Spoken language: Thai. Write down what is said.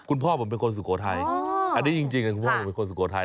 คุณพ่อผมเป็นคนสุโขทัยอันนี้จริงคุณพ่อผมเป็นคนสุโขทัย